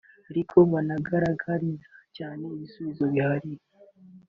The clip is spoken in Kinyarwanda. ariko banangaragariza cyane ibisubizo bihari